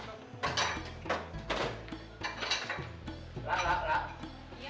lah lah lah